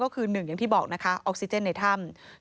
ก็คือ๑อย่างที่บอกนะคะออกซิเจนในถ้ำ